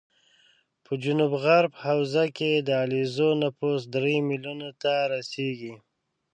په جنوب غرب حوزه کې د علیزو نفوس درې ملیونو ته رسېږي